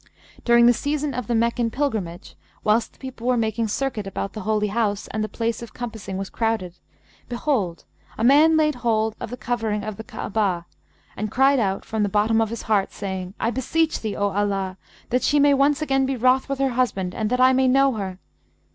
During the season of the Meccan pilgrimage, whilst the people were making circuit about the Holy House and the place of compassing was crowded, behold, a man laid hold of the covering of the Ka'abah[FN#182] and cried out, from the bottom of his heart, saying, 'I beseech thee, O Allah, that she may once again be wroth with her husband and that I may know her!'